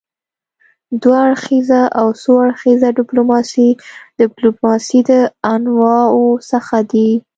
دوه اړخیزه او څو اړخیزه ډيپلوماسي د ډيپلوماسي د انواعو څخه دي.